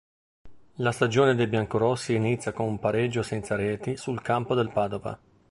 La stagione dei biancorossi inizia con un pareggio senza reti sul campo del Padova.